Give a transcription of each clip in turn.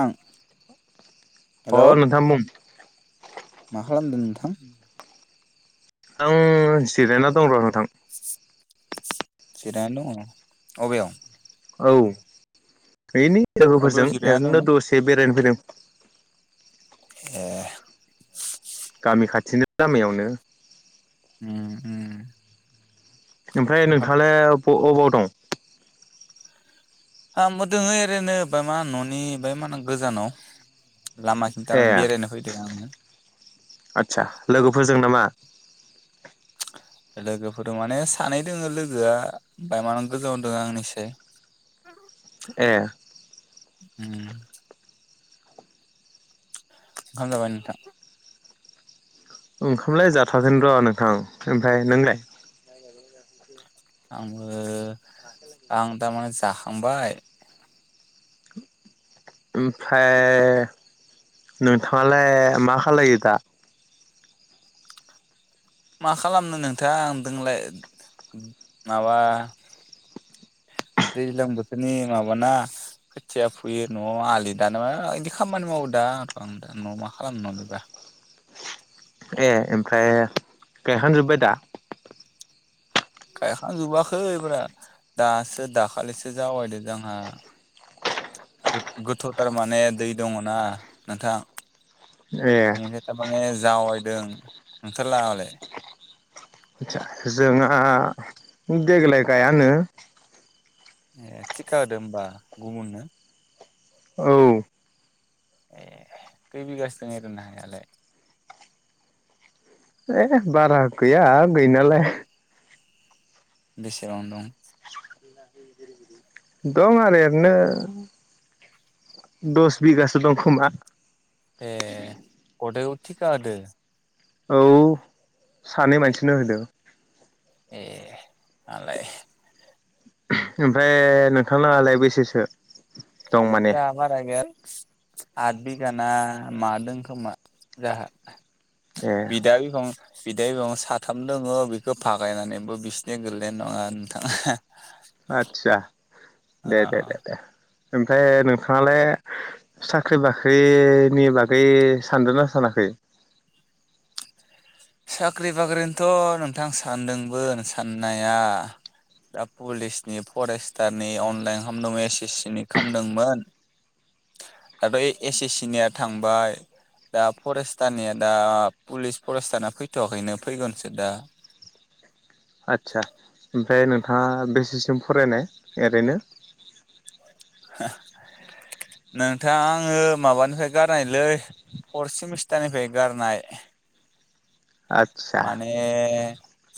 आं अ हेलौ नोंथां बुं। मा खालामदों नोंथां। आं जिरायना दं र। [inaudible] जिरायना दं अबेयाव। औ। बेनि अबेयाव गोहोफोरजों जिरायना दङ ओरैनो दसे बेरायनो फैदों। [inaudible] ए गामि खाथिनि लामायावनो। ओम ओम। ओमफ्राय नोंथाङालाय। अ अ अबाव दं। आंबो दोङो ओरैनो बाय मा न'नि बाय मा होनो गोजानाव। लामाखिनि हे थारमाने बेरायनो फैदों आङो आदसा लोगोफोरजों नामा। [inaudible] लोगोफोर माने सानै दोङो लोगोआ बाय मान गोजाव द आंनिसाय। ए। उम। ओंखाम जाबाय नोंथां। ओंखामलाय जाथाराथों र' नोंथां ओमफ्राय नोंलाय। आंबो आं थारमाने जाखांबाय। ओमफ्राय नोंथाङालाय मा खालायो दा। मा खालामनो नोंथां दोंलाय माबा दैज्लां बोथोरनि माबाना खोथिया फुयो न'आव आलि दान मा बिदि खामानि मावो दा आं दा न'आव मा खालामनो नलिबा। ए ओमफ्राय गायखांजोब्बाय दा। गायखांजोबाखैबा दासो दाखालिसो जावायदो जोंहा गोथौथार माने दै दङना नोंथां। ए एथ माने जावायदों नोंथोरलाहालाय। आदसा जोंहा देग्लाय गायानो। ए थिखा होदो होमबा गुबुननो। औ ए खै बिगासो दं ओरैनो हायालाय। ए बारा गैया गै नालाय। बेसेबां दं। दं आरो ओरैनो दस बिगासो दं खोमा। ए। गदेखौ थिखा होदो। औ सानै मानसिनो होदों। आलाय। ओमफ्राय नोंथांनाङालाय बेसेसो? दं माने जा बारा गैयालै आद बिगाना मा दों खोमा जोंहा ए बिदा बिफं बिदै दं साथाम दङ बेखौ फागायनानैबो बिसिनि गोलैनाय नङा नोंथां आदसा अ दे दे दे दे ओमफ्राय नोंथाङालाय साख्रि बाख्रिनि बागै सानदों ना सानाखै? साख्रि बाख्रिनिथ' नोंथां सानदोंमोन साननाया दा पुलिसनि फरेस्टारनि अनलाइन खालामदोंमोन एस एस सि नि खालामदोंमोन दाथ' एस एस सि निया थांबाय दा फरेस्टारनिया दा पुलिस फरेस्टार फैथ'वाखैनो फैगोनसो दा आदसा ओमफ्राय नोंथाङा बेसेसिम फरायनाय ओरैनो नोंथाङा आङो माबानिफ्राय गारनायलै फर्थ सेमिस्टारनिफ्राय गारनाय आदसा माने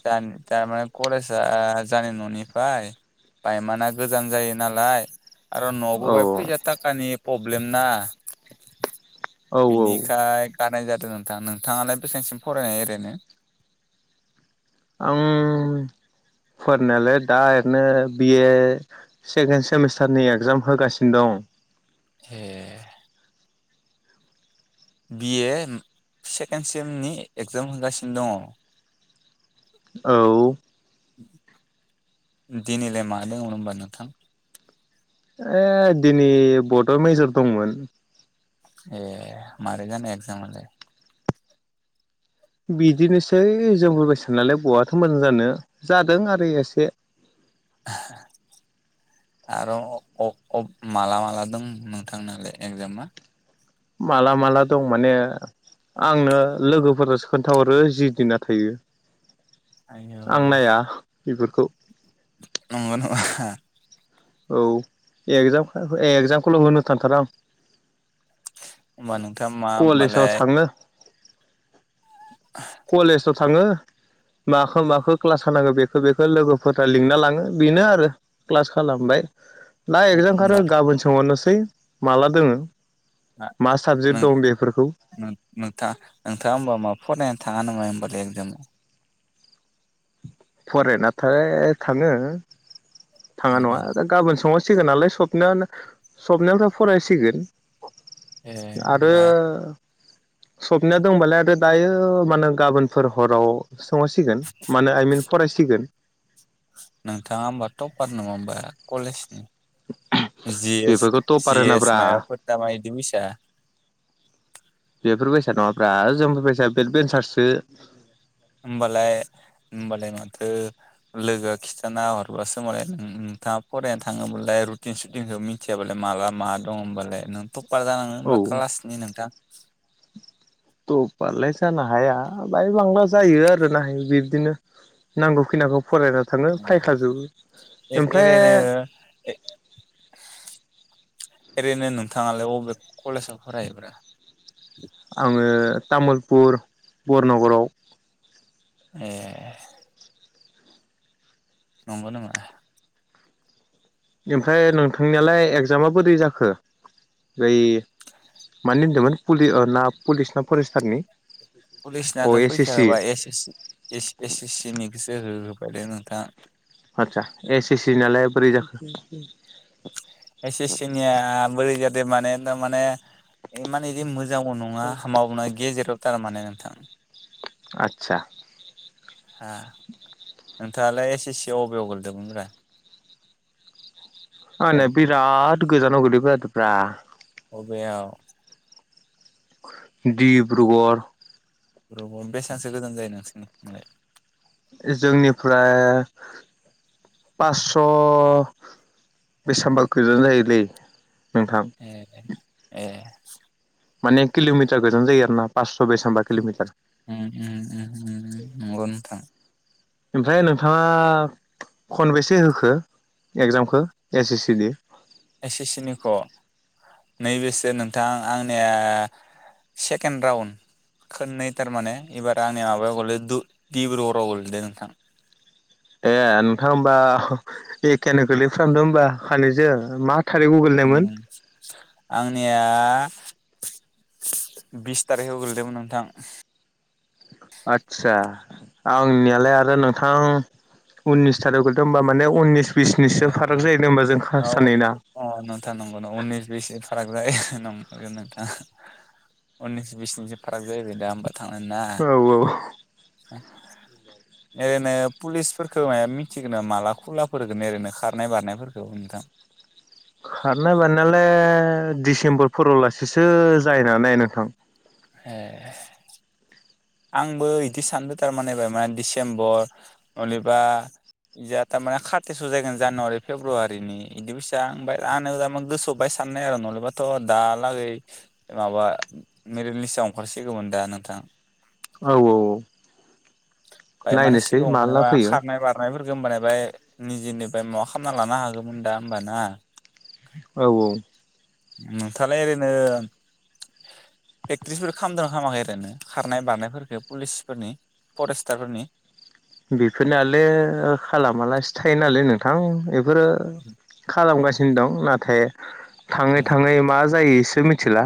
थारमाने करेज जानाय न'निफ्राय बायमाना गोजान जायो नालाय आरो न'आवबो औ बा फैसा थाखानि प्रब्लेम ना औ औ बेनिखाय गारनाय जादों [unintelligible] नोंथां नोंथाङालाय बेसेबांसिम फरायनाय ओरैनो फोरनायालाय दा ओरैनो बिए सेकेन्द सेमिस्टारनि एगजाम होगासिनो दं। ए बिए सेकेन्ड सेमनि एग्जाम होगासिनो दङ' औ [inaudible] दिनैलाय मा दङ' होनबा नोंथां? ए दिनै बड' मेजर दंमोन। ए मारै जानाय एक्जामालाय? बिदिनोसै जोंफोर बायसानालाय बआथो मोजां जानो जादों आरो एसे। [inaudible] आरो अ अ माला माला दं नोंथांनालाय एगजामा? माला माला दं माने आंनो लोगोफोरासो खोन्थाहरो जि दिना थायो आयौ आं नाया बेफोर खौ नंगौ ना नङा? औ एक्जाम एगजामखौल' होनो थांथारो आं होमबा नोंथां मा कलेजाव होमबालाय थाङो कलेजाव थाङो माखो माखो क्लास [unintelligible] बेखो बेखो लोगोफोरा लिंना लाङो बेनो आरो क्लास खालामबाय दा एक्जामखो आरो होमबालाय गाबोन सोंहरनोसै माला दोङो मा साबजेक्ट नों दं बेफोरखौ नों नोंथा नोंथाङा होमबा माबा फरायना था थाङा नामा होनबालाय एकजामाव फरायनाथाय [unintelligible] थाङो थाङा नङा आरो गाबोन सोंहर सिगोन नालाय सबनायानो सबनायाफ्राव फरायसिगोन। ए आरो होमबा सबनाया दंबालाय आरो दायो ओ मा ओनो गाबोनफोर हराव सोंहरसिगोन मा ओनो आइ मिन फरायसिगोन। नोंथाङा होमबा टपार न होमबा कलेजनि जि एस बेफोरखौ टपार जि एस होनाब्रा मायबाफोर दामा [unintelligible] ब्रा जों बायसाया बेक बेन्सारसो होमबालाय होमबालाय माथो लोगोआ खिथाना हरबासो मालाय उम उम नोंथाङा फरायनो थाङोबालाय रुटिन सुटिनखौ मिथियाबालाय माला मा दं होमबालाय नों ट औ [unintelligible] क्लासनि नोंथां [inaudible] टपारलाय जानो हाया बाय लां जायो आरो ना इदि बिदिनो नांगौ खिनांखौ फरायना थाङो फायखाजोबो ओमफ्राय ओरैनो एरैनो नोंथाङालाय बबे कलेजाव फरायोब्रा आङो तामुलपुर बरनगराव ए नंगौ नामा? ओमफ्राय नोंथांनियालाय एग जामा बोरै जाखो ओै मानो होनदोंमोन ना पुलिस ना फरेस्टारनि अ कलेजनाथ' एस एस सि फैखोबा ए एस एस सि नि गोसो हो होबायलै नोंथां आतसा एस ए सि नालाय बोरै जाखो एस एस सि ना बोरै जाखो माने तारमाने [unintelligible] मोजांबो नङा हामाबो नङा गेजेराव थारमाने नोंथां आतसा हा नोंथाङालाय एस एस सिआव अबेयाव गोगलैदों मोनब्रा आंना बिराद गोजानाव गोलै [unintelligible] अबेयाव? [inaudible] डिब्रुगड़। [unintelligible] बेसांसो गोजान जायो [unintelligible] जोंनिफ्राय पासस' बेसामबा गोजानो जायोलै । [unintelligible] ए माने किल'मिटार गोजान जायो आरो ना । अ बेसामबा किल'मिटार उम उम उम उम नंगौ नोंथां ओमफाय नोंथाङा खनबेसे होखो? एगजामखो एस एस सि नि? एस एस सिनिख' नैबेसो नोंथां आंनिया सेकेन्ड राउन्ड खोननै टारमाने एबार आंनि माबायाव [unintelligible] गोलैदो नोंथां । ए नोंथां होमबा एखेआनो गोलैफ्रामदो ओमबा खानैजो मा थारिखआव गोलैनायमोन [inaudible] आंनिया बिस टारिगाव गोलैदोमोन नोंथां । आदसा आंनियालाय आरो नोंथां उननिस थारिगाव गोलैदो होनबा माने उननिस बिसनिससो फाराग [unintelligible] जाहैदों होनबा जों सानैना नोंथां उननिस बिसनिसो फाराग जाहैबाय दा औ [unintelligible] [inaudible] ओरैनो पुलिसफोरखो मायबा मिथिगो नामा माला खुला [unintelligible] ओरैनो खारनाय बारनायफोरखौ नोंथां खारनाय बारनायालाय डिसेम्बर फोरावलासैसो जाहैनो हानाय नोंथां। ए आंबो इदि सानदो टारमाने बायमान डिसेम्बर नलेबा इजा टामाने खाटेस' जायगोन जानुवारि फेब्रुवारिनि बिदि फैसा आ ओमफ्राय आंम गोसोबाय साननाय आरो नलेबाथ' दालागै माबा मेरिट लिस्टआव ओंखारसिगौमोन दा नोंथां। औ औ औ नायनोसै माला फैयो [unintelligible] [unintelligible] औ औ नोंथाङालाय ओरैनो [unintelligible] खामदोना खामाखै ओरैनो खारनाय बारनायफोरखो पुलिसफोरनि? परेस्तारफोरनि बेफोरनोलाय खालामालासे थायो नालाय नोंथां बोरो खालामगासिनो दं ना [inaudible] थाङै थाङै मा जायो इसो [unintelligible] मिथिला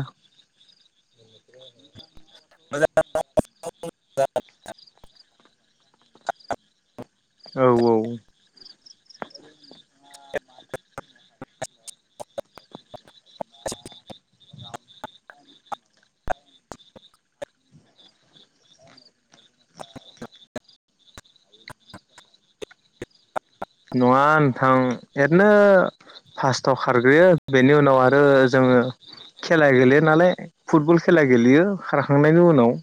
[inaudible] [inaudible] औ औ नङा नोंथां इरैनो फार्स्टाव खारग्रोयो बेनि उनाव आरो जोङो खेला गेलेयो नालाय फुटबल खेला गेलेयो खारखांनायनि उनाव